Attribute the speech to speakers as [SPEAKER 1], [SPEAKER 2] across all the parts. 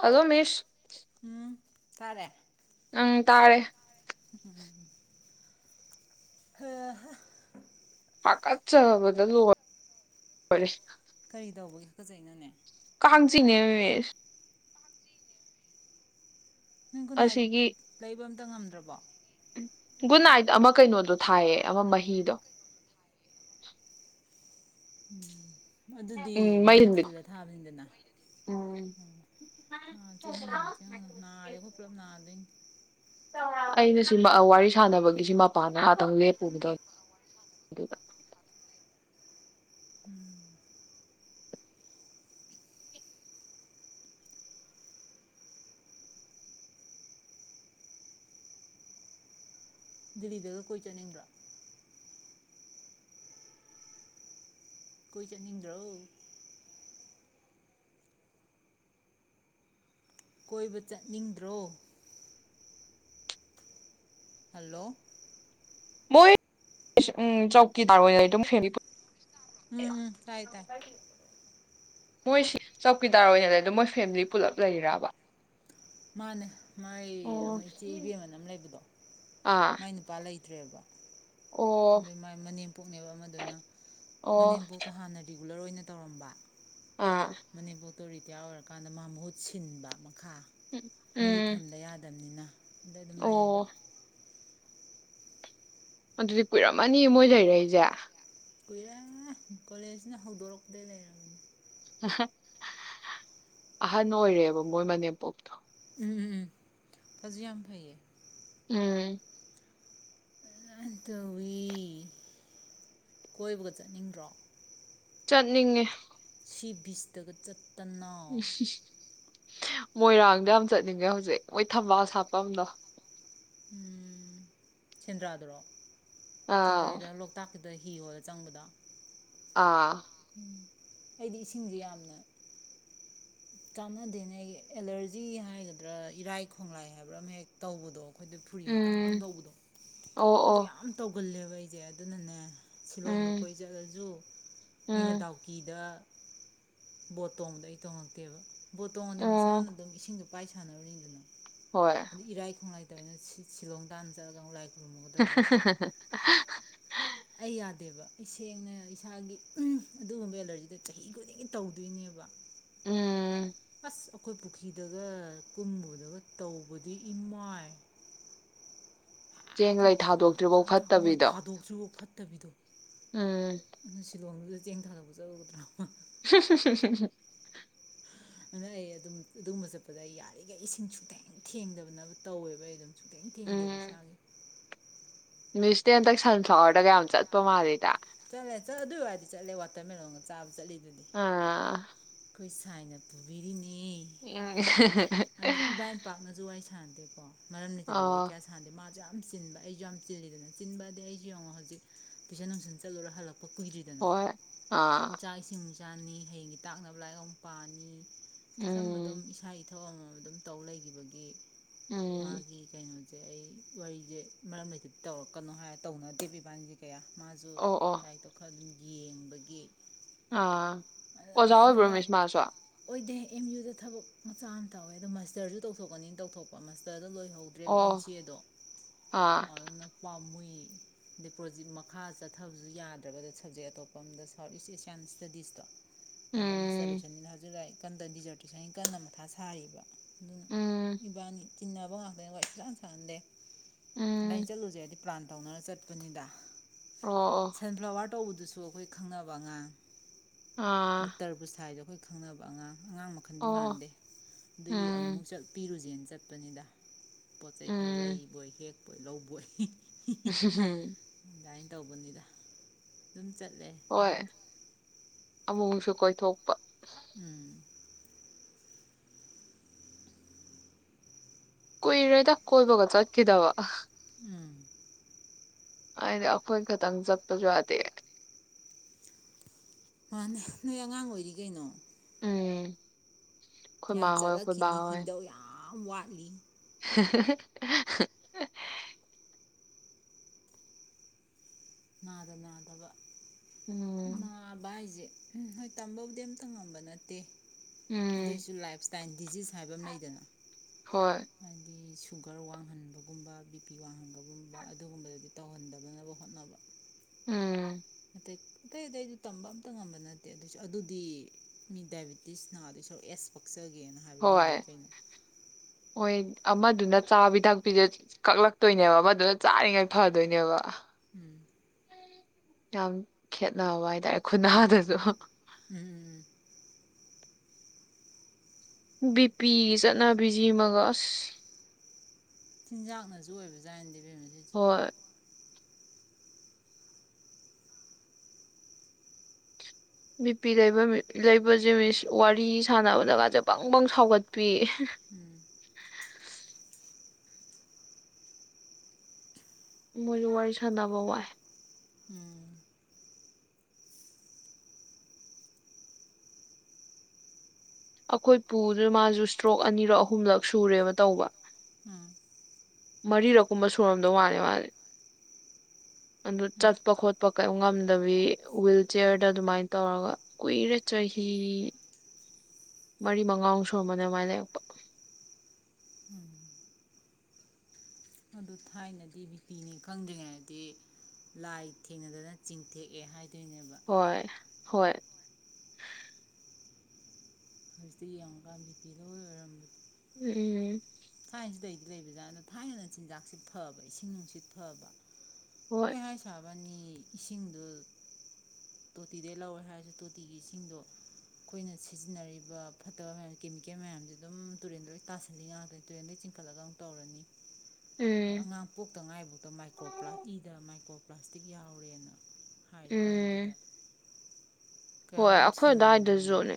[SPEAKER 1] Hello ꯃꯤꯁ
[SPEAKER 2] ꯎꯝ ꯇꯥꯔꯦ
[SPEAKER 1] ꯑꯪ ꯇꯥꯔꯦ
[SPEAKER 2] ꯍꯥ ꯍꯥ
[SPEAKER 1] ꯍꯀꯥ ꯆꯕꯗ ꯂꯣꯏꯔꯦ
[SPEAKER 2] ꯀꯔꯤ ꯇꯧꯕꯒꯤ ꯍꯀꯥꯆꯩꯅꯣꯅꯦ
[SPEAKER 1] [unintelligible] ꯃꯤꯁ
[SPEAKER 2] ꯅꯣꯏ ꯈꯨꯟꯅꯥꯏ
[SPEAKER 1] ꯑꯁꯤꯒꯤ
[SPEAKER 2] ꯂꯩꯕ ꯑꯝꯇ ꯉꯝꯗ꯭ꯔꯕꯣ
[SPEAKER 1] ꯒꯨꯠ ꯅꯥꯏꯠ ꯑꯃ ꯀꯩꯅꯣꯗꯣ ꯊꯥꯏꯌꯦ ꯑꯃ ꯃꯍꯤꯗꯣ
[SPEAKER 2] ꯎꯝ ꯑꯗꯨꯗꯤ
[SPEAKER 1] ꯎꯝ
[SPEAKER 2] ꯃꯩ
[SPEAKER 1] ꯍꯟꯕꯤꯗꯣ
[SPEAKER 2] ꯊꯤꯜꯂ ꯊꯥꯕꯅꯤꯗꯅ
[SPEAKER 1] ꯎꯝ
[SPEAKER 2] ꯑꯣ ꯆꯤꯛꯍꯟꯒꯅꯨ ꯆꯤꯛꯍꯟꯒꯅꯨ ꯅꯥꯔꯦ ꯑꯩꯈꯣꯏ ꯄꯨꯜꯂꯞ ꯅꯥꯗꯣꯏꯅꯤ
[SPEAKER 1] ꯑꯩꯅꯁꯨ ꯋꯥꯔꯤ ꯁꯥꯟꯅꯕꯒꯤꯁꯤ ꯃꯄꯥꯟꯗ ꯉꯍꯥꯛꯇꯪ ꯂꯦꯞꯄꯨꯒꯗꯧꯅꯤ ꯑꯗꯨꯗ
[SPEAKER 2] ꯎꯝ ꯗꯤꯂꯤꯒ ꯀꯣꯏ ꯆꯠꯅꯤꯡꯗ꯭ꯔꯣ ꯀꯣꯏ ꯆꯠꯅꯤꯡꯗ꯭ꯔꯣ ꯀꯣꯏꯕ ꯆꯠꯅꯤꯡꯗ꯭ꯔꯣ ꯍꯜꯂꯣ
[SPEAKER 1] ꯃꯣꯏ ꯎꯝ ꯆꯧꯀꯤꯗꯥꯔ ꯑꯣꯏ ꯐꯦꯃꯦ
[SPEAKER 2] ꯎꯝ ꯇꯥꯏ ꯇꯥꯏ
[SPEAKER 1] ꯃꯣꯏꯁꯤ ꯆꯧꯀꯤꯗꯥꯔ ꯑꯣꯏꯅ ꯂꯩ ꯑ ꯑꯗꯨ ꯃꯣꯏ ꯐꯦꯃꯤꯂꯤ ꯄꯨꯂꯞ ꯂꯩꯔꯕ
[SPEAKER 2] ꯃꯥꯅꯦ ꯃꯥꯏ ꯑꯃ
[SPEAKER 1] ꯑꯣ
[SPEAKER 2] ꯏꯆꯦ ꯏꯕꯦꯝꯃꯅ ꯑꯃ ꯂꯩꯕꯗꯣ
[SPEAKER 1] ꯑꯥ
[SPEAKER 2] ꯃꯥꯏ ꯅꯨꯄꯥ ꯂꯩ ꯇ꯭ꯔꯦꯕ
[SPEAKER 1] ꯑꯣ
[SPEAKER 2] ꯑꯗꯨ ꯃꯥꯏ ꯃꯅꯦꯝꯄꯣꯛꯅꯦꯕ ꯑꯃꯗꯨꯅ
[SPEAKER 1] ꯑꯣ
[SPEAKER 2] ꯃꯅꯦꯝꯄꯣꯛꯀ ꯍꯥꯟꯅꯗꯤ ꯔꯤꯒꯨꯂꯔ ꯑꯣꯏꯅ ꯇꯧꯔꯝꯕ
[SPEAKER 1] ꯑꯥ
[SPEAKER 2] ꯃꯅꯤꯕꯣ ꯑꯇꯣꯔꯤꯇꯌꯥ ꯑꯣꯏꯔꯀꯥꯟꯗ ꯃꯥ ꯃꯍꯨꯠ ꯁꯤꯟꯕ ꯈꯥ ꯃꯤ
[SPEAKER 1] ꯎꯝ
[SPEAKER 2] ꯊꯝꯕ ꯌꯥꯗꯕꯅꯤꯅ ꯑꯗ ꯑꯗꯨ ꯑꯗꯨꯝ ꯂꯩꯔꯤꯕꯣ
[SPEAKER 1] ꯑꯣ ꯑꯗꯨꯗꯤ ꯀꯨꯏꯔꯝꯃꯅꯤ ꯃꯣꯏ ꯂꯩꯔꯏꯁꯦ
[SPEAKER 2] ꯀꯨꯔꯦ ꯀꯣꯂꯦꯖꯅ ꯍꯧꯗꯣꯔꯛꯄꯗꯒꯤꯩ ꯂꯩꯔꯝꯒꯅꯤ
[SPEAKER 1] ꯑꯍꯟ ꯑꯣꯏꯔꯦꯕ ꯃꯣꯏ ꯃꯅꯦꯝꯄꯣꯛꯇꯣ
[SPEAKER 2] ꯎꯝꯝ ꯎꯝ ꯀꯖꯤ ꯌꯥꯝ ꯑꯃ ꯐꯌꯦ
[SPEAKER 1] ꯎꯝ
[SPEAKER 2] ꯇꯋꯤ ꯀꯣꯏꯕꯒ ꯆꯠꯅꯤꯡꯗ꯭ꯔꯣ
[SPEAKER 1] ꯆꯠꯅꯤꯡꯉꯦ
[SPEAKER 2] ꯁꯤ ꯕꯤꯆꯇꯒ ꯆꯠꯇꯅ
[SPEAKER 1] ꯎꯝ ꯃꯣꯏꯔꯥꯡꯗ ꯌꯥꯝ ꯆꯠꯅꯤꯡꯉꯦ ꯍꯧꯖꯤꯛ ꯃꯣꯏ ꯊꯝꯕꯥꯜ ꯁꯥꯄ ꯑꯗꯣ
[SPEAKER 2] ꯎꯝ ꯁꯦꯟꯗ꯭ꯔꯥꯗꯨꯔꯣ
[SPEAKER 1] ꯑꯥ
[SPEAKER 2] ꯁꯦꯟꯗꯔꯥꯗ ꯂꯣꯛꯇꯥꯛ ꯀꯤꯗ ꯗ ꯍꯤ ꯍꯣꯜꯂꯥ ꯆꯪꯕꯗꯣ꯫
[SPEAKER 1] ꯑꯥ
[SPEAKER 2] ꯑꯩꯗꯤ ꯏꯁꯤꯡꯁꯦ ꯌꯥꯝꯅ ꯆꯥꯟꯅꯗꯦꯅꯦ ꯑꯩꯒꯤ ꯑꯦꯂꯔꯖꯤ ꯍꯥꯏꯒꯗ꯭ꯔꯥ ꯏꯔꯥꯏ ꯈꯣꯡꯂꯥꯏ ꯍꯥꯏꯕ꯭ꯔꯥ ꯑꯃ ꯍꯦꯛ ꯇꯧꯕꯗꯣ꯫ ꯑꯩꯗ ꯐꯨꯔꯤ ꯃꯪꯇꯪ ꯃꯪꯇꯪ
[SPEAKER 1] ꯎꯝ
[SPEAKER 2] ꯇꯧꯕꯗꯣ
[SPEAKER 1] ꯑꯣ
[SPEAKER 2] ꯑꯗꯨꯗ
[SPEAKER 1] ꯑꯣ
[SPEAKER 2] ꯌꯥꯝ ꯇꯧꯕ ꯀꯨꯜꯂꯦꯕ ꯑꯩꯁꯦ ꯑꯗꯨꯅꯅꯦ ꯁꯤꯂꯣꯡꯗ
[SPEAKER 1] ꯎꯝ
[SPEAKER 2] ꯀꯣꯏ ꯆꯠꯂꯁꯨ ꯃꯤꯅ
[SPEAKER 1] ꯎꯝ
[SPEAKER 2] ꯗꯥꯎꯀꯤꯗ꯫ ꯕꯣꯠ ꯇꯣꯡꯕ ꯑꯩ ꯇꯣꯡ [inaudible] ꯕꯣꯠꯇꯣꯡꯑꯗꯤ ꯃꯁꯥꯅ
[SPEAKER 1] ꯑꯣ
[SPEAKER 2] ꯑꯗꯨꯝ ꯏꯁꯤꯡꯗ꯫ ꯄꯥꯏ ꯁꯥꯟꯅꯔꯔꯅꯤꯗꯅ
[SPEAKER 1] ꯍꯣꯏ
[SPEAKER 2] ꯏꯔꯥꯏ ꯈꯣꯡꯂꯥꯏ ꯑꯗꯨꯅ ꯁꯤꯂꯣꯡ ꯇꯥꯟꯅ ꯆꯠꯂ ꯑꯃꯨꯛ ꯂꯥꯏ꯫ ꯈꯨꯔꯨꯝꯃꯨꯒꯗ꯭ꯔꯕ ꯑꯩ
[SPEAKER 1] [unintelligible]
[SPEAKER 2] ꯑꯩ ꯌꯥꯗꯦꯕ ꯑꯩꯁꯦꯡꯅ ꯏꯁꯥꯒꯤ ꯑꯗꯨꯒꯨꯝꯕ ꯑꯦꯂꯔꯖꯤꯗꯣ ꯆꯍꯤ ꯈꯨꯗꯤꯡꯒꯤ ꯇꯧꯗꯣꯏꯅꯦꯕ꯫
[SPEAKER 1] ꯎꯝ
[SPEAKER 2] ꯑꯁ ꯑꯩꯈꯣꯏ ꯄꯨꯈ꯭ꯔꯤꯗꯒ ꯀꯨꯝꯕꯗꯒ ꯇꯧꯕꯗꯤ ꯏꯃꯥꯏ
[SPEAKER 1] ꯆꯦꯡ
[SPEAKER 2] ꯍꯦꯛꯇ
[SPEAKER 1] ꯂꯩ
[SPEAKER 2] ꯃꯊꯥ ꯃꯊꯥ ꯃꯊꯥ
[SPEAKER 1] ꯊꯥꯗꯣꯛꯇ꯭ꯔꯤꯐꯧ
[SPEAKER 2] ꯃꯊꯥ ꯍꯣꯏ
[SPEAKER 1] ꯐꯠꯇꯕꯤꯗꯣ
[SPEAKER 2] ꯊꯥꯗꯣꯛꯇꯔꯤ ꯐꯧ ꯐꯠ꯫ ꯐꯠꯇꯕꯤꯗꯣ
[SPEAKER 1] ꯎꯝ
[SPEAKER 2] ꯑꯗꯨ ꯁꯤꯂꯣꯡꯗꯨꯗ ꯆꯦꯡ ꯊꯥꯗꯣꯛꯄ ꯆꯠꯂꯨꯒꯗ꯭ꯔꯥꯕ
[SPEAKER 1] [unintelligible]
[SPEAKER 2] ꯑꯗꯨꯅ ꯑꯩ ꯑꯗꯨꯝ ꯑꯗꯨꯒꯨꯝꯕ ꯆꯠꯄꯗ ꯑꯩ ꯌꯥꯔꯤꯈꯩ ꯏꯁꯤꯡ ꯁꯨꯛꯇꯦꯡ ꯊꯦꯡꯗꯕꯅꯕ ꯇꯧꯋꯦꯕ ꯑꯩ ꯑꯗꯨꯝ ꯁꯨꯡ ꯊꯦꯡꯗꯦꯕ ꯏꯁꯒꯤ
[SPEAKER 1] ꯃꯥꯁꯇꯤ ꯍꯟꯇꯛ ꯁꯟꯐ꯭ꯂꯥꯋꯔꯗꯒ ꯌꯥꯝ ꯆꯠꯄ ꯃꯥꯜꯂꯤꯗ꯫
[SPEAKER 2] ꯆꯂꯦ ꯆꯂꯦ ꯑꯗꯨꯏ ꯋꯥꯗꯤ ꯆꯠꯂꯦ ꯋꯥꯇꯔꯥ ꯃꯦꯂꯣꯡꯒ ꯆꯥꯕ ꯆꯠꯂꯤꯗꯨꯗ
[SPEAKER 1] ꯑꯥ
[SPEAKER 2] ꯑꯩꯈꯣꯏ ꯁꯥꯏꯅ ꯄꯨꯕꯤꯔꯤꯅꯤ꯫
[SPEAKER 1] [inaudible]
[SPEAKER 2] ꯊꯥꯟꯗꯦꯀꯣ ꯃꯔꯝ ꯂꯦꯇꯔꯥꯗꯤ ꯋꯥꯔꯤ
[SPEAKER 1] ꯑꯥ
[SPEAKER 2] ꯀꯌꯥ ꯁꯥꯟꯗꯦ ꯃꯥ ꯗꯨꯝ꯫ ꯌꯥꯝ ꯆꯤꯟꯕ ꯑꯩꯁꯨ ꯌꯥꯝ ꯆꯤꯜꯂꯤꯕꯅꯤ ꯆꯤꯟꯕ ꯑꯗꯤ ꯑꯩꯁꯨ ꯌꯦꯡꯉꯣ ꯍꯧꯖꯤꯛ ꯇꯨꯏꯁꯟ ꯅꯨꯡꯁꯟ ꯆꯠꯄ꯫ [unintelligible] ꯀꯨꯏꯗ꯭ꯔꯤꯗꯅ
[SPEAKER 1] ꯍꯣꯏ ꯑꯥ
[SPEAKER 2] ꯆꯥꯛ ꯏꯁꯤꯡ ꯆꯅꯤ ꯍꯌꯦꯡꯒꯤ ꯇꯥꯛꯅꯕ ꯂꯥꯏꯔꯤꯛ ꯑꯃꯨꯛ ꯄꯥꯅꯤ꯫ ꯁꯝ ꯑꯗꯨꯝ
[SPEAKER 1] ꯎꯝ
[SPEAKER 2] ꯏꯁꯥ ꯏꯊ ꯊꯕꯛ ꯑꯃ ꯑꯗꯨꯝ ꯇꯧ ꯂꯩꯒꯤꯕꯒꯤ
[SPEAKER 1] ꯎꯝ
[SPEAKER 2] ꯃꯥꯒꯤ ꯀꯩꯅ ꯁꯦ ꯑꯩ ꯋꯥꯔꯤꯁꯦ ꯃꯔꯝ ꯂꯩꯇꯗꯤ ꯇꯧꯔꯛꯀꯅꯣ ꯍꯥꯏꯔ ꯇꯧꯅꯗꯦꯕ ꯏꯕꯥꯅꯤꯁꯦ ꯀꯌꯥ ꯃꯥꯁꯨ
[SPEAKER 1] ꯑꯣ ꯑꯣ
[SPEAKER 2] ꯑꯗꯨꯝ ꯌꯦꯡꯕꯒꯤ
[SPEAKER 1] ꯑꯥ ꯑꯣꯖꯥ
[SPEAKER 2] ꯑꯗꯨꯃꯥꯏꯅ
[SPEAKER 1] ꯑꯣꯏꯕ꯭ꯔꯣ
[SPEAKER 2] ꯃꯔꯛ
[SPEAKER 1] ꯃꯤꯁ ꯃꯥꯁꯨ
[SPEAKER 2] ꯑꯣꯏꯗꯦ ꯑꯦꯝ ꯌꯨꯗ ꯊꯕꯛ ꯃꯆꯥ ꯑꯃ ꯇꯧꯋꯦ ꯑꯗꯣ ꯃꯁꯇꯔꯁꯨ ꯇꯧꯊꯣꯛꯀꯅꯤ ꯇꯧꯊꯣꯛꯄ ꯃꯥꯁꯇꯔꯗ ꯂꯣꯏ ꯇꯧꯗ꯭ꯔꯦꯕ ꯑꯦꯝ ꯁꯤ ꯑꯦꯗꯣ
[SPEAKER 1] ꯑꯥ
[SPEAKER 2] ꯑꯗꯨꯅ ꯄꯥꯝꯃꯨꯏ ꯗꯤꯄ꯭ꯔꯣꯖꯤꯠ ꯃꯈꯥ ꯆꯠꯊ ꯊꯕꯁꯨ ꯌꯥꯗ꯭ꯔꯕꯗ ꯁꯕꯖꯦꯛ ꯑꯇꯣꯞꯄ ꯑꯝꯗ ꯁꯥꯎꯠ ꯏꯁ ꯑꯦꯁꯤꯌꯥꯟ ꯁ꯭ꯇꯗꯤꯁꯇꯣ ꯑꯗ ꯃꯁꯇꯔ
[SPEAKER 1] ꯎꯝ
[SPEAKER 2] ꯂꯣꯏꯁꯟꯅꯤꯅ ꯍꯥꯏꯖꯛꯑ [unintelligible] ꯀꯟꯗ ꯗꯤꯖꯔꯇꯦꯁꯟꯒꯤ ꯀꯟꯅ ꯃꯊꯥ ꯁꯥꯔꯤꯕ ꯑꯗꯨꯅ
[SPEAKER 1] ꯎꯝ
[SPEAKER 2] ꯏꯕꯥꯅꯤ ꯇꯤꯟꯅꯕꯉꯥꯛꯇꯅꯦ ꯋꯥꯔꯤ ꯁꯨꯡꯁꯥꯟ ꯁꯥꯟꯗꯦ ꯅꯩ
[SPEAKER 1] ꯎꯝ
[SPEAKER 2] ꯆꯠꯂꯨꯖꯦꯗꯤ ꯄ꯭ꯔꯥꯟꯇ ꯇꯧꯅꯔ ꯆꯠꯄꯅꯤꯗꯥ
[SPEAKER 1] ꯑꯣ ꯑꯣ
[SPEAKER 2] ꯇꯧꯕꯗꯨꯁꯨ ꯑꯩꯈꯣꯏ ꯈꯪꯅꯕ ꯑꯉꯥꯡ
[SPEAKER 1] ꯑꯣ ꯑꯥ
[SPEAKER 2] ꯇꯔꯕꯨꯁ ꯊꯥꯏꯗꯣ ꯑꯩꯈꯣꯏ ꯈꯪꯅꯕ ꯑꯉꯥꯡ ꯑꯉꯥꯡ ꯃꯈꯜꯗꯤ
[SPEAKER 1] ꯑꯣ
[SPEAKER 2] ꯃꯥꯟꯗꯦ ꯑꯗꯨꯒꯤ
[SPEAKER 1] ꯎꯝ
[SPEAKER 2] ꯑꯃꯨꯛꯃꯨꯛ ꯆꯠ ꯄꯤꯔꯨꯖꯦ ꯆꯠꯄꯅꯤꯗ ꯄꯣꯠꯆꯩ ꯈꯔ
[SPEAKER 1] ꯎꯝ
[SPEAKER 2] ꯂꯩꯕꯣꯏ ꯍꯦꯛ ꯄꯣꯏ ꯂꯧꯕꯣꯏ ꯍꯤ ꯥꯍꯤ ꯍꯤ ꯑꯗꯥꯏ꯭ꯟ ꯇꯧꯕꯅꯤꯗ ꯑꯗꯨꯝ ꯆꯠꯂ
[SPEAKER 1] ꯍꯣꯏ ꯑꯃꯨꯛꯃꯨꯛꯁꯨ ꯀꯣꯏꯊꯣꯛꯄ
[SPEAKER 2] ꯎꯝ
[SPEAKER 1] ꯀꯨꯏꯔꯦꯗ ꯀꯣꯏꯕꯒ ꯆꯠꯈꯤꯗꯕ
[SPEAKER 2] ꯎꯝ
[SPEAKER 1] ꯍꯥꯏꯗꯤ ꯑꯩꯈꯣꯏ ꯈꯇꯪ ꯆꯠꯄꯁꯨ ꯌꯥꯗꯦ
[SPEAKER 2] ꯃꯥꯅꯦ ꯅꯣꯏ ꯑꯉꯥꯡ ꯑꯣꯏꯔꯤ ꯀꯩꯅꯣ
[SPEAKER 1] ꯎꯝ ꯑꯩꯈꯣꯏ ꯃꯥ
[SPEAKER 2] ꯌꯥꯝ
[SPEAKER 1] ꯍꯣꯏ ꯑꯩꯈꯣꯏ ꯕꯥ
[SPEAKER 2] ꯆꯠꯂꯛꯈꯤꯅꯤ
[SPEAKER 1] ꯍꯣꯏ
[SPEAKER 2] ꯍꯤꯡꯗꯧ ꯌꯥꯝ ꯑꯝ ꯋꯥꯠꯂꯤ
[SPEAKER 1] [unintelligible]
[SPEAKER 2] ꯅꯥꯗ ꯅꯥꯗꯕ
[SPEAKER 1] ꯎꯝ
[SPEAKER 2] ꯅꯥꯕꯍꯥꯏꯖꯦ ꯑꯨꯝ ꯍꯣꯏ ꯇꯝꯕꯕꯨꯗꯤ ꯑꯝꯇ ꯉꯝꯕ ꯅꯠꯇꯦ
[SPEAKER 1] ꯎꯝ
[SPEAKER 2] ꯑꯗꯨꯏꯁꯨ ꯂꯥꯏꯞ ꯏꯁꯇꯥꯏꯜ ꯗꯤꯖꯤꯖ ꯍꯥꯏꯕ ꯑꯃ ꯂꯩꯗꯅ
[SPEAKER 1] ꯍꯣꯏ
[SPEAKER 2] ꯍꯥꯏꯗꯤ ꯁꯨ ꯁꯨꯒꯔ ꯋꯥꯡꯍꯟꯕꯒꯨꯝꯕ ꯕꯤ ꯄꯤ ꯋꯥꯡꯍꯟꯕꯒꯨꯝꯕ ꯑꯗꯨꯒꯨꯝꯕꯗꯗꯤ ꯇꯧꯍꯟꯗꯅꯕ ꯍꯣꯠꯅꯕ
[SPEAKER 1] ꯑꯨꯝ
[SPEAKER 2] ꯑꯇꯩ ꯑꯇꯩ ꯑꯇꯩꯗꯣ ꯇꯝꯕ ꯑꯝꯇ ꯉꯝꯕ ꯅꯠꯇꯦ ꯑꯗꯨꯁꯨ ꯑꯗꯨꯗꯤ ꯃꯤ ꯗꯥꯏꯕꯤꯇꯤꯁ ꯅꯗꯧ ꯁꯔꯨꯛ ꯑꯦꯁꯄꯛ ꯑꯦꯁ ꯄꯛꯆꯒꯦ ꯍꯥꯏꯕ ꯃꯤ
[SPEAKER 1] ꯍꯣꯏ
[SPEAKER 2] ꯂꯩ ꯀꯩꯅꯣ
[SPEAKER 1] ꯍꯣꯏ ꯑꯃꯗꯨꯅ ꯆꯥꯕꯤ ꯊꯛꯄꯤꯗ ꯀꯛꯂꯛꯇꯣꯏꯅꯦꯕ ꯑꯃꯗꯨꯅ ꯆꯥꯔꯤꯉꯥꯏ ꯐꯗꯣꯏꯅꯦꯕ
[SPEAKER 2] ꯎꯝ
[SPEAKER 1] ꯌꯥꯝ ꯈꯦꯠꯅꯕ ꯍꯥꯏꯇꯥꯔꯦ ꯈꯨꯟꯅꯥꯗꯨꯁꯨ
[SPEAKER 2] ꯑꯨꯝ
[SPEAKER 1] ꯕꯤꯄꯤꯒꯤ ꯆꯠꯅꯕꯤ ꯖꯤ ꯃꯒꯁ ꯑꯁ
[SPEAKER 2] ꯆꯤꯟꯖꯥꯛꯅꯁꯨ ꯑꯣꯏꯕꯖꯥꯠꯅꯤꯗ ꯏꯕꯦꯝꯃ
[SPEAKER 1] ꯍꯣꯏ ꯕꯤꯄꯤ ꯂꯩꯕ ꯃꯤ ꯂꯩꯕꯁꯦ ꯃꯤꯁꯥ ꯋꯥꯔꯤ ꯁꯥꯟꯅꯕꯗꯒꯁꯦ ꯕꯪꯕꯪ ꯁꯥꯎꯒꯠꯄꯤ
[SPEAKER 2] [inaudible]
[SPEAKER 1] ꯃꯣꯏꯔꯣ ꯋꯥꯔꯤ ꯁꯥꯟꯅꯕ ꯋꯥꯏ
[SPEAKER 2] ꯑꯨꯝ
[SPEAKER 1] ꯑꯩꯈꯣꯏ ꯄꯨꯖꯨ ꯃꯥꯖꯨ ꯏꯁꯇ꯭ꯔꯣꯛ ꯑꯅꯤꯔꯛ ꯑꯍꯨꯝꯂꯛ ꯁꯨꯔꯦꯕ ꯇꯧꯕ
[SPEAKER 2] ꯑꯨꯝ
[SPEAKER 1] ꯃꯔꯤꯔꯛꯀꯨꯝꯕ ꯁꯨꯔꯝꯗꯧ ꯃꯥꯂꯦ ꯃꯖꯦ ꯑꯗꯨ ꯆꯠꯄ ꯈꯣꯠꯄ ꯀꯩ ꯉꯝꯗꯕꯤ ꯍꯨꯋꯤꯜ ꯆꯤꯌꯔꯗ ꯑꯗꯨꯃꯥꯏꯅ ꯇꯧꯔꯒ ꯀꯨꯏꯔꯦ ꯆꯍꯤ ꯃꯔꯤ ꯃꯉꯥꯛ ꯁꯨꯔꯕꯅꯦ ꯑꯗꯨꯃꯥꯏꯅ ꯂꯩꯔꯛꯄ
[SPEAKER 2] ꯑꯨꯝ ꯑꯗꯨ ꯊꯥꯏꯅꯗꯤ ꯕꯤꯄꯤꯅꯤ ꯈꯪꯗ꯭ꯔꯤꯉꯩꯗꯗꯤ ꯂꯥꯏ ꯊꯦꯡꯅꯗꯅ ꯆꯤꯡꯊꯦꯛꯑꯦ ꯍꯥꯏ
[SPEAKER 1] ꯍꯣꯏ ꯍꯣꯏ
[SPEAKER 2] ꯍꯧꯖꯤꯛꯇꯤ ꯌꯦꯡꯉꯨꯀꯥꯟꯗꯤ ꯕꯤꯄꯤ ꯂꯣꯏ ꯑꯣꯏꯔꯝ
[SPEAKER 1] [unintelligible]
[SPEAKER 2] ꯊꯥꯏꯅꯁꯤ ꯂꯩꯗꯤ ꯂꯩꯕꯖꯥꯠ ꯅꯤ ꯊꯥꯏꯟ ꯅ ꯆꯤꯟꯖꯥꯛꯁꯤ ꯐꯕ ꯏꯁꯤꯡ ꯅꯨꯡꯁꯤꯠ ꯐꯕ ꯍꯣꯏ ꯍꯥꯏ ꯁꯥꯕꯅꯤ ꯏ ꯏꯁꯤꯡꯗꯨ ꯇꯣꯇꯤꯗꯩ ꯂꯧꯔꯦ ꯍꯥꯏꯔꯁꯨ ꯇꯣꯇꯤꯒꯤ ꯏꯁꯤꯡꯗꯣ ꯑꯩꯈꯣꯏꯅ ꯁꯤꯖꯤꯟꯅꯔꯤꯕ ꯐꯠꯇꯕ ꯃꯌꯥꯝ ꯀꯦꯃꯤꯀꯦꯜ ꯃꯌꯥꯝꯁ ꯑꯗꯨꯝ ꯇꯨꯔꯦꯟꯗ ꯂꯣꯏ ꯇꯥꯁꯜꯂꯤ ꯉꯥꯛꯇꯅꯤ ꯇꯨꯔꯦꯜꯗꯩ ꯆꯤꯡꯈꯠꯂꯒ ꯑꯃꯨꯛ ꯇꯧꯔꯅꯤ
[SPEAKER 1] ꯎꯝ
[SPEAKER 2] ꯑꯉꯥꯡ ꯄꯣꯛꯇꯉꯥꯏꯐꯧꯗ ꯃꯥꯏꯀꯣ ꯄ꯭ꯂꯥꯇꯤꯗ ꯃꯥꯏꯀꯣ ꯄ꯭ꯂꯥꯁꯇꯤꯛ ꯌꯥꯎꯔꯦꯅ
[SPEAKER 1] ꯎꯝ
[SPEAKER 2] ꯍꯥꯏꯔꯤꯃꯥꯟꯅꯦ
[SPEAKER 1] ꯍꯣꯏ ꯑꯩꯈꯣꯏ
[SPEAKER 2] ꯁꯦꯡꯉꯝꯗꯣꯏꯅꯣ
[SPEAKER 1] ꯑꯗꯨꯋꯥꯏꯗꯁꯨꯅꯦ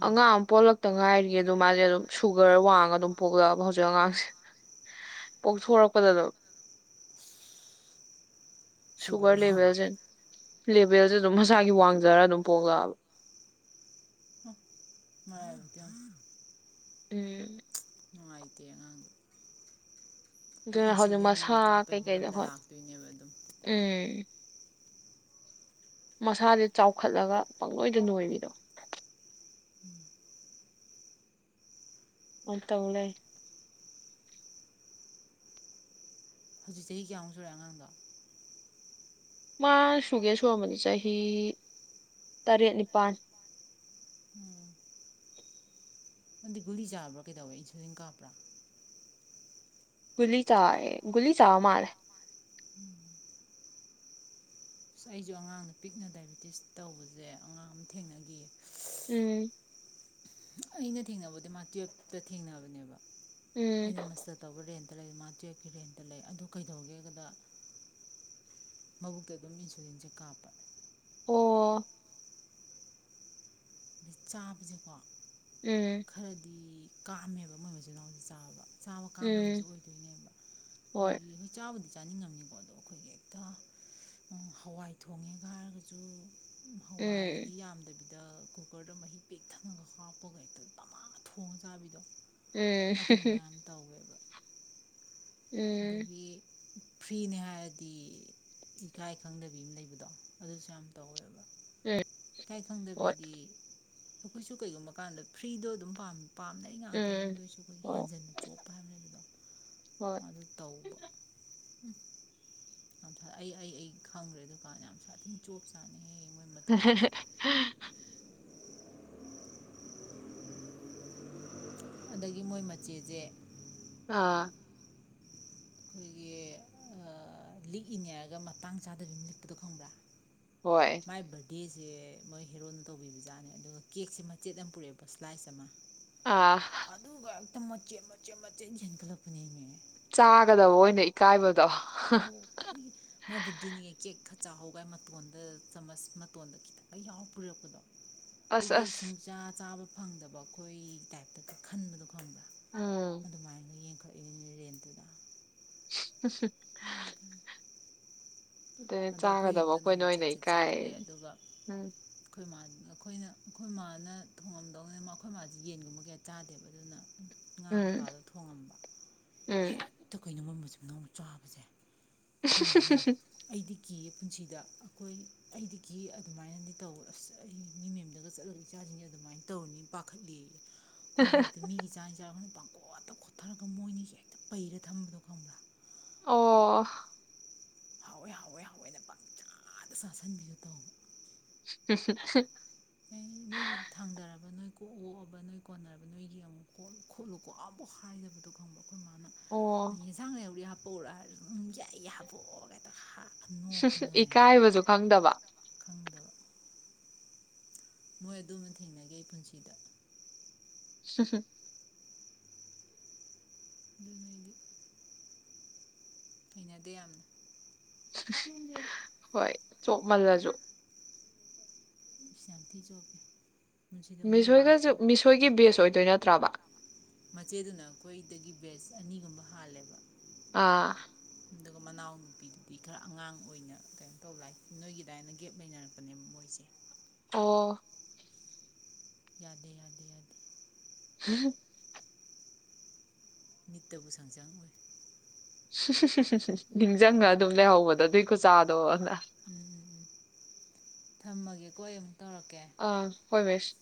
[SPEAKER 2] ꯎꯝ
[SPEAKER 1] ꯑꯉꯥꯡ ꯄꯣꯛꯂꯛꯇ ꯉꯥꯏꯔꯤꯌꯦ ꯑꯗꯨ ꯃꯥꯁꯦ ꯑꯗꯨꯝ ꯁꯨꯒꯔ ꯋꯥꯡꯉꯒ ꯑꯗꯨꯝ ꯄꯣꯛꯂꯛꯑꯕ ꯍꯧꯖꯤꯛ ꯑꯉꯥꯡꯁꯦ ꯄꯣꯛꯊꯣꯔꯛꯄꯗ ꯑꯗꯨꯝ ꯁꯨꯒꯔ ꯂꯦꯚꯦꯜꯖꯦ ꯂꯦꯚꯦꯜꯁꯦ ꯑꯗꯨꯝ ꯃꯁꯥꯒꯤ ꯋꯥꯡꯖꯔ ꯑꯗꯨꯝ ꯄꯒꯕ
[SPEAKER 2] ꯃꯥꯏꯇ
[SPEAKER 1] ꯎ
[SPEAKER 2] ꯉꯥꯏꯇ ꯅꯪ
[SPEAKER 1] ꯑꯗꯨ ꯍꯧꯖꯤꯛ ꯃꯁꯥ ꯀꯩꯀꯩꯗ ꯍꯣꯏ
[SPEAKER 2] ꯂꯥꯛꯇꯣꯏꯅꯦꯕ ꯑꯗꯨꯝ
[SPEAKER 1] ꯎꯝ ꯃꯁꯥꯁꯦ ꯆꯥꯎꯈꯠꯂꯒ ꯄꯪꯂꯣꯏꯗ ꯅꯣꯏꯕꯤꯗꯣ
[SPEAKER 2] ꯎꯝ
[SPEAKER 1] ꯑꯣ ꯇꯧꯡꯂꯦ
[SPEAKER 2] ꯍꯧꯖꯤꯛ ꯆꯍꯤ ꯀꯌꯥꯃꯨꯛ ꯁꯨꯔꯑꯦ ꯑꯉꯥꯡꯗ
[SPEAKER 1] ꯃꯥ ꯁꯨꯒꯦ ꯁꯨꯝꯕꯅꯤ ꯆꯍꯤ ꯇꯔꯦꯠ ꯅꯤꯄꯥꯜ
[SPEAKER 2] ꯎꯝ ꯃꯔꯪꯗꯤ ꯒꯨꯂꯤ ꯆꯥꯕ꯭ꯔꯥ ꯀꯩꯗꯧꯋꯦ ꯏꯟꯁꯨꯂꯤꯟ ꯀꯥꯞꯄ꯭ꯔꯥ
[SPEAKER 1] ꯒ ꯆ ꯑꯦ ꯨꯂꯤ ꯆ ꯃꯥꯔ
[SPEAKER 2] ꯎꯝ ꯑꯁ ꯑꯩꯁꯨ ꯑꯉꯥꯡꯗ ꯄꯤꯛꯅ ꯗꯥꯏꯕꯦꯇꯤꯁ ꯇꯧꯕꯁꯦ ꯑꯉꯥꯡ ꯑꯃ ꯊꯦꯡꯅꯈꯤꯌꯦ
[SPEAKER 1] ꯎꯝ
[SPEAKER 2] ꯑꯩꯅ ꯊꯦꯡꯅꯕꯗꯤ ꯃꯥ ꯇꯨꯌꯦꯜꯞꯇ ꯊꯦꯡꯅꯕꯅꯦꯕ
[SPEAKER 1] ꯎꯝ
[SPEAKER 2] ꯑꯩꯅ ꯃꯁꯇ ꯇꯧꯕ ꯔꯦ ꯇꯔ ꯃꯥ ꯇꯋꯠꯀꯤ ꯔꯦꯟꯇ ꯂꯩ ꯑꯗꯨ ꯀꯩꯗꯧꯒꯦ ꯀꯗ ꯃꯕꯨꯛꯇ ꯑꯗꯨꯝ ꯏꯟꯁꯨꯔꯤꯟꯁꯦ ꯀꯥꯞꯄ
[SPEAKER 1] ꯑꯣ
[SPEAKER 2] ꯑꯩ ꯆꯥꯕꯁꯦꯀꯣ
[SPEAKER 1] ꯎꯝ
[SPEAKER 2] ꯈꯔꯗꯤ ꯀꯥꯑꯝꯃꯦꯕ ꯃꯣꯏ ꯃꯆꯤꯟ ꯃꯅꯥꯎꯁꯦ ꯆꯥꯕ ꯆꯥꯕ ꯀꯥꯝꯕꯗꯁꯨ
[SPEAKER 1] ꯎꯝ
[SPEAKER 2] ꯑꯣꯏꯗꯣꯏꯅꯦꯕ
[SPEAKER 1] ꯍꯣꯏ
[SPEAKER 2] ꯑꯩꯈꯣꯏꯒꯤ ꯍꯈꯣꯏ ꯆꯥꯕꯗꯤ ꯆꯥꯅꯤꯡꯉꯝꯅꯤꯀꯣ ꯑꯗꯣ ꯑꯩꯈꯣꯏꯒꯤ ꯍꯦꯛꯇ ꯍꯋꯥꯏ ꯊꯣꯡꯉꯦꯒ ꯍꯥꯏꯔꯒꯁꯨ
[SPEAKER 1] ꯎꯝ
[SPEAKER 2] ꯍꯋꯥꯏꯗꯤ ꯌꯥꯝꯗꯕꯤꯗ ꯨ ꯀꯨꯀꯔꯗ ꯃꯍꯤ ꯄꯦꯛ ꯊꯪꯉꯒ ꯍꯥꯞꯄꯒ ꯍꯦꯛꯇ ꯄꯃꯥ ꯊꯣꯡꯉ ꯆꯥꯕꯤꯗꯣ
[SPEAKER 1] ꯎꯝ
[SPEAKER 2] ꯑꯗꯨꯒꯨꯝꯕ ꯌꯥꯝ ꯇꯧꯋꯦꯕ
[SPEAKER 1] ꯎꯝ
[SPEAKER 2] ꯑꯗꯒꯤ ꯐ꯭ꯔꯤꯅꯦ ꯍꯥꯏꯔꯗꯤ ꯏꯀꯥꯏ ꯈꯪꯗꯕꯤ ꯑꯃ ꯂꯩꯕꯗꯣ ꯑꯗꯨꯁꯨ ꯌꯥꯝ ꯇꯧꯋꯦꯕ ꯏꯥꯏ
[SPEAKER 1] ꯍꯣꯏ
[SPEAKER 2] ꯈꯪꯗꯕꯤꯗꯤ ꯑꯩꯈꯣꯏꯁꯨ ꯀꯔꯤꯒꯨꯝꯕ ꯀꯥꯟꯗ ꯐ꯭ꯔꯤꯗꯣ ꯑꯗꯨꯝ ꯄꯥꯝꯃꯦ꯫ ꯄꯥꯝꯅꯩ ꯉꯥꯛꯇꯅꯦ
[SPEAKER 1] ꯎꯝ
[SPEAKER 2] ꯑꯗꯨꯏꯁꯨ ꯑꯩꯈꯣꯏ
[SPEAKER 1] ꯍꯣꯏ
[SPEAKER 2] ꯍꯦꯟꯖꯟꯅ ꯆꯣꯞꯄ ꯍꯥꯏꯕ ꯑꯝ ꯂꯩꯕꯗꯣ꯫
[SPEAKER 1] ꯍꯣꯏ
[SPEAKER 2] ꯑꯗꯨ ꯇꯧꯕ ꯎꯝ ꯌꯥꯝ ꯑꯩ ꯑꯩ ꯑꯩ ꯈꯪꯈ꯭ꯔꯦ ꯗꯨꯀꯥꯟꯗ ꯌꯥꯝꯁꯥꯊꯥꯅ ꯆꯣꯞ ꯆꯥꯅꯤꯍꯦ ꯃꯣꯏ
[SPEAKER 1] ꯎ
[SPEAKER 2] ꯃꯇꯧꯗꯨꯗꯤ ꯑꯗꯒꯤ ꯃꯣꯏ ꯃꯆꯦꯁꯦ
[SPEAKER 1] ꯑꯥ
[SPEAKER 2] ꯑꯩꯈꯣꯏꯒꯤ ꯑ ꯂꯤꯛꯏꯅꯦꯑꯒ ꯃꯇꯥꯡ ꯆꯥꯗꯕꯤ ꯂꯤꯛꯄꯗꯣ ꯈꯪꯕ꯭ꯔꯥ
[SPEAKER 1] ꯍꯣꯏ
[SPEAKER 2] ꯃꯥꯏ ꯕꯔꯗꯦꯁ ꯁꯦ ꯃꯣꯏ ꯍꯦꯔꯣꯅ ꯇꯧꯕꯤꯕꯖꯥꯠꯅꯦ ꯑꯗꯨꯒ ꯀꯦꯛꯁꯦ ꯃꯆꯦꯠ ꯑꯃ ꯄꯨꯔꯛꯑꯦꯕ ꯁ꯭ꯂꯥꯏꯁ ꯑꯃ
[SPEAKER 1] ꯑꯥ
[SPEAKER 2] ꯍꯦꯇ ꯃꯆꯦꯠ ꯃꯣꯆꯦꯠ ꯃꯆꯠ ꯌꯦꯟꯈꯠꯂꯛꯄꯤꯅꯦꯃꯤ꯫
[SPEAKER 1] ꯆꯥꯒꯗꯕ ꯑꯣꯏꯅ ꯏꯀꯥꯏꯕ
[SPEAKER 2] ꯃꯥꯏ ꯕꯥꯔꯗꯦꯅꯦ ꯀꯦꯛ ꯆꯥꯛꯍꯥꯎꯒꯥꯏ ꯃꯇꯣꯟꯗ ꯆꯥꯃꯁ ꯃꯇꯣꯟꯗ ꯈꯤꯇꯪꯒ ꯌꯥꯎ ꯄꯨꯔꯛꯄꯗꯣ
[SPEAKER 1] ꯑꯁ
[SPEAKER 2] ꯑꯩꯈꯣꯏꯒꯤ
[SPEAKER 1] ꯑꯁ
[SPEAKER 2] ꯁꯨꯝꯆꯥ ꯆꯥꯕ ꯐꯪꯗꯕ ꯑꯩꯈꯣꯏ ꯇꯥꯏꯞꯇꯒ ꯈꯟꯕꯗꯣ ꯈꯪꯕ꯭ꯔꯥ
[SPEAKER 1] ꯎꯝ
[SPEAKER 2] ꯑꯗꯨꯃꯥꯏꯅ ꯌꯦꯡꯈꯠ
[SPEAKER 1] [inaudible]
[SPEAKER 2] [unintelligible] ꯑꯗꯩ ꯑꯩꯈꯣꯏ
[SPEAKER 1] ꯆꯥꯒꯗꯕ
[SPEAKER 2] ꯌꯨꯝꯗ
[SPEAKER 1] ꯑꯩꯈꯣꯏꯅ
[SPEAKER 2] ꯅꯣꯡꯃ
[SPEAKER 1] ꯑꯣꯏꯅ
[SPEAKER 2] ꯆꯠꯁꯤ
[SPEAKER 1] ꯏꯀꯥꯏ
[SPEAKER 2] ꯆꯠꯂꯦ ꯑꯗꯨꯒ
[SPEAKER 1] ꯎꯝ
[SPEAKER 2] ꯑꯩꯈꯣꯏ ꯃꯅ ꯑꯩꯈꯣꯏꯅ ꯑꯩꯈꯣꯏ ꯃꯥꯥꯅ ꯊꯣꯡꯉꯝꯗꯧꯅꯤ ꯃ ꯑꯩꯈꯣꯏ ꯃꯥꯁꯤ ꯌꯦꯟꯒꯨꯝꯕ ꯀꯌꯥ ꯆꯥꯗꯦꯕ ꯑꯗꯨꯅ ꯉꯥ
[SPEAKER 1] ꯎꯝ
[SPEAKER 2] ꯀꯧꯇꯥꯗ ꯊꯣꯡꯉꯝꯕ
[SPEAKER 1] ꯎꯝ
[SPEAKER 2] ꯍꯦꯛꯇ ꯀꯨꯏꯅꯃꯝꯕꯁꯨ ꯅꯣꯡꯃ ꯆꯥꯕꯁꯦ ꯑꯩꯈꯣꯏꯃ ꯍꯥꯏꯅꯤ ꯑꯩꯗꯤ ꯀꯤꯌꯦ ꯄꯨꯟꯁꯤꯗ ꯑꯩꯈꯣꯏ ꯑꯩꯗꯒꯤ ꯑꯗꯨꯃꯥꯏꯅꯒ ꯇꯧꯕꯗꯣ ꯑꯁ ꯑꯩꯗꯤ ꯀꯤ ꯃꯤ ꯃꯌꯨꯝꯗꯒ ꯆꯠꯂꯒ ꯏꯆꯥꯁꯤꯡꯁ ꯑꯗꯨꯃꯥꯏꯅ ꯇꯧꯔꯅꯤ ꯄꯥꯈꯠꯂꯤꯌꯦ꯫ ꯑꯩꯈꯣꯏꯒꯤ ꯍꯦꯛꯇ ꯃꯤꯒꯤ ꯆꯥꯛ ꯏꯟꯖꯥꯡꯒ ꯄꯥꯡꯀꯣꯠꯇ ꯈꯣꯠꯊꯔꯒ ꯃꯣꯏꯅꯤ ꯁꯦ ꯍꯦꯛꯇ ꯄꯩꯔ ꯊꯝꯕꯗꯣ ꯈꯪꯕ꯭ꯔꯥ
[SPEAKER 1] ꯑꯣ
[SPEAKER 2] ꯍꯥꯎꯋꯦ ꯍꯥꯎꯋꯦ ꯍꯥꯎꯋꯦꯅ ꯄꯪꯆꯥꯗ ꯆꯥꯁꯤꯟꯕꯤꯗꯣ ꯇꯧꯕ꯫
[SPEAKER 1] [inaudible]
[SPEAKER 2] ꯑꯩ ꯅꯣꯏꯒꯤ ꯊꯥꯡꯗꯔꯕ ꯅꯣꯏ ꯀꯣꯛ ꯑꯣꯛꯑꯕ ꯅꯣꯏ ꯀꯣꯟꯅꯔꯕ ꯅꯣꯏꯒꯤ ꯑꯃꯨꯛ ꯀꯣꯠꯂꯨ ꯈꯣꯠꯂꯨꯀꯣ ꯑꯝꯕꯨꯛ ꯍꯥꯏꯗꯕꯗꯣ ꯈꯪꯕ ꯑꯩꯈꯣꯏ ꯃꯥꯅ
[SPEAKER 1] ꯑꯣ
[SPEAKER 2] ꯌꯦꯟꯁꯥꯡꯅ ꯂꯩꯍꯧꯔꯤ ꯍꯥꯞ ꯑꯣꯔꯥ ꯌꯥꯏ ꯍꯥꯏꯕꯣꯛꯑꯒꯦꯗ ꯍꯥ
[SPEAKER 1] ꯁꯨ ꯏꯀꯥꯏꯕꯁꯨ ꯈꯪꯗꯕ
[SPEAKER 2] ꯈꯪꯗꯕ ꯃꯣꯏ ꯑꯗꯨꯃ ꯊꯦꯡꯅꯒꯦ ꯑꯩ ꯄꯨꯟꯁꯤꯗ
[SPEAKER 1] ꯍ ꯍꯨꯝ
[SPEAKER 2] ꯑꯗꯨꯅꯏꯗꯤ ꯍꯩꯅꯗꯦ ꯌꯥꯝꯅ
[SPEAKER 1] ꯍꯣꯏ ꯆꯣꯞꯃꯜꯂꯁꯨ
[SPEAKER 2] ꯁꯥꯟꯤ ꯆ ꯑꯣꯒꯦ
[SPEAKER 1] ꯃꯤꯁꯣꯏꯒꯁꯨ ꯃꯤꯁꯣꯏꯒꯤ ꯕꯦꯁ ꯑꯣꯏꯗꯣꯏ ꯅꯠꯇ꯭ꯔꯕ
[SPEAKER 2] ꯃꯆꯦꯗꯨꯅ ꯑꯩꯈꯣꯏꯗꯒꯤ ꯕꯦꯁ ꯑꯅꯤꯒꯨꯝꯕ ꯍꯥꯜꯂꯦꯕ
[SPEAKER 1] ꯑꯥ
[SPEAKER 2] ꯑꯗꯨꯒ ꯃꯅꯥꯎ ꯅꯨꯄꯤꯗꯨꯗꯤ ꯈꯔ ꯑꯉꯥꯡ ꯑꯣꯏꯅ ꯀꯩꯅꯣ ꯇꯧ ꯂꯥꯏ ꯅꯣꯏꯒꯤꯗꯥꯏꯅ ꯒꯦꯞ ꯂꯩꯅꯔꯛꯄꯅꯦ ꯃꯣꯏꯁꯦ
[SPEAKER 1] ꯑꯣ
[SPEAKER 2] ꯌꯥꯗꯦ ꯌꯥꯗꯦ ꯌꯥꯗꯦ
[SPEAKER 1] ꯎ
[SPEAKER 2] ꯅꯤꯠꯇꯕꯨ ꯍꯪꯆꯥꯡ ꯑꯣꯏ
[SPEAKER 1] ꯁꯨ ꯁ ꯁꯨ ꯁ ꯁ ꯅꯤꯡꯁꯤꯡꯉ ꯑꯗꯨꯝ ꯂꯩꯍꯧꯕꯗꯣ ꯑꯗꯨꯏꯀꯆꯥꯗꯣꯅ
[SPEAKER 2] ꯎꯝꯝꯝ ꯊꯝꯃꯒꯦ ꯀꯣ
[SPEAKER 1] ꯑ ꯍꯣꯏ ꯁ